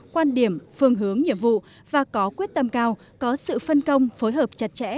quan điểm phương hướng nhiệm vụ và có quyết tâm cao có sự phân công phối hợp chặt chẽ